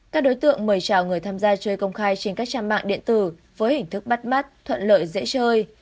các đối tượng mời chào người tham gia chơi công khai trên các trang mạng điện tử với hình thức bắt mắt thuận lợi dễ chơi